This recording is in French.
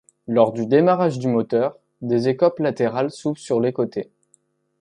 Lors du démarrage du moteur des écopes latérales s'ouvrent sur les côtés.